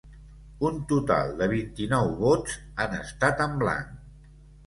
Un total de vint-i-nou vots han estat en blanc.